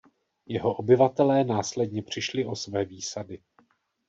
Jeho obyvatelé následně přišli o své výsady.